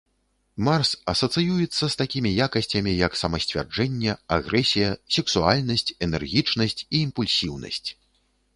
Марс асацыюецца з такімі якасцямі, як самасцвярджэнне, агрэсія, сексуальнасць, энергічнасць і імпульсіўнасць.